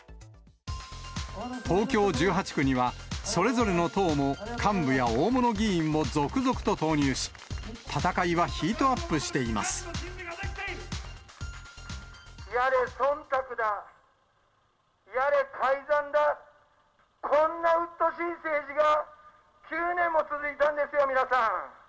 東京１８区には、それぞれの党も幹部や大物議員も続々と投入し、戦いはヒートアッやれそんたくだ、やれ改ざんだ、こんなうっとうしい政治が９年も続いたんですよ、皆さん。